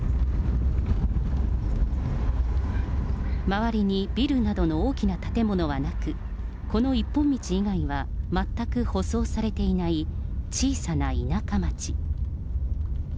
周りにビルなどの大きな建物はなく、この一本道以外には、全く舗装されていない小さな田舎町。